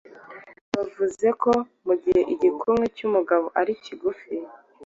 bavuze ko mu gihe igikumwe cy’umugabo ari kigufi